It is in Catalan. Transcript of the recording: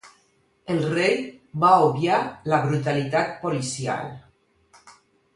El rei va obviar la brutalitat policial.